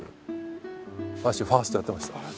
私ファーストやってました。